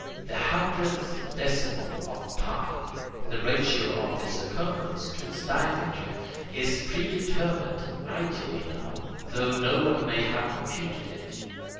The hundredth decimal of pi, the ratio of the circumference to its diameter, is predetermined ideally now, tho no one may have computed it.